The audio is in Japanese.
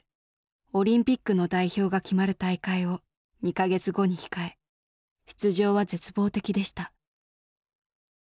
オリンピックの代表が決まる大会を２か月後に控え出場は絶望的でした。